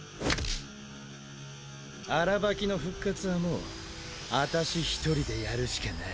アラバキの復活はもうアタシ１人でやるしかない。